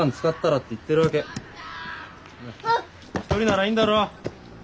１人ならいいんだろ？